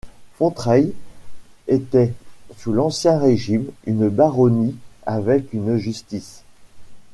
Fontrailles était sous l'Ancien Régime une baronnie avec une justice.